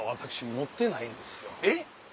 えっ？